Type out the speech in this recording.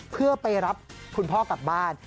เพื่อไปรับคุณพ่อกลับบ้าน